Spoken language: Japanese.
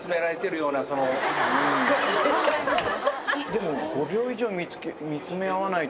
でも。